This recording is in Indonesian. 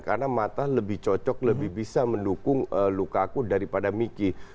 karena mata lebih cocok lebih bisa mendukung lukaku daripada miki